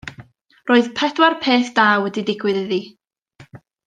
Roedd pedwar peth da wedi digwydd iddi.